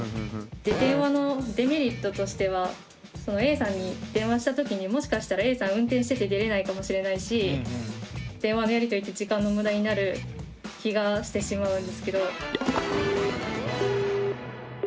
電話のデメリットとしてはＡさんに電話した時にもしかしたらＡさん運転してて出れないかもしれないし電話のやりとりって時間のムダになる気がしてしまうんですけど。